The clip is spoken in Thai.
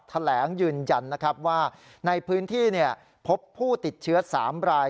แถลงยืนยันนะครับว่าในพื้นที่พบผู้ติดเชื้อ๓ราย